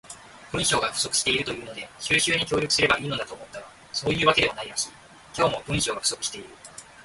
文章が不足しているというので収集に協力すれば良いのだと思ったが、そういうわけでもないらしい。今日も、文章が不足している。